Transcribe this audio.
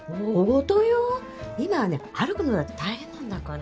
今はね歩くのだって大変なんだから。